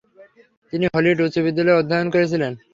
তিনি হলিউড উচ্চ বিদ্যালয়ে অধ্যয়ন করেছিলেন।